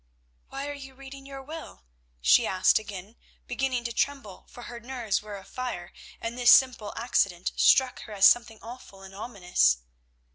"Why are you reading your will?" she asked again, beginning to tremble, for her nerves were afire, and this simple accident struck her as something awful and ominous.